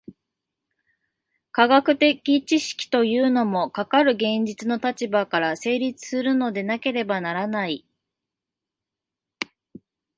科学的知識というのも、かかる現実の立場から成立するのでなければならない。